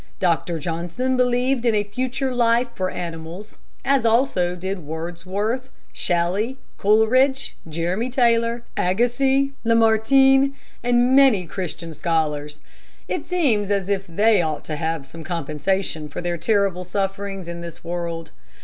Dr. Johnson believed in a future life for animals, as also did Wordsworth, Shelley, Coleridge, Jeremy Taylor, Agassiz, Lamartine, and many Christian scholars. It seems as if they ought to have some compensation for their terrible sufferings in this world.